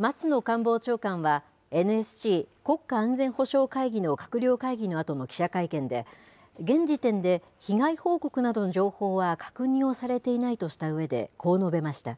松野官房長官は、ＮＳＣ・国家安全保障会議の閣僚会議のあとの記者会見で、現時点で被害報告などの情報は確認をされていないとしたうえで、こう述べました。